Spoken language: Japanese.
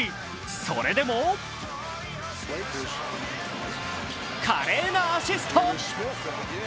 それでも華麗なアシスト。